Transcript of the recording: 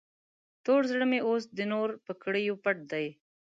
تور زړه مې اوس د نور په کړیو پټ دی.